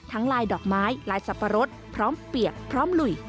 ลายดอกไม้ลายสับปะรดพร้อมเปียกพร้อมหลุย